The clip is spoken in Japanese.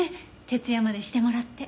徹夜までしてもらって。